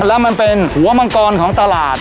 แล้วมันเป็นหัวมังกรของตลาด